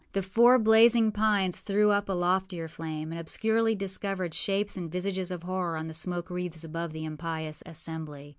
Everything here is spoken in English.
The four blazing pines threw up a loftier flame, and obscurely discovered shapes and visages of horror on the smoke wreaths above the impious assembly.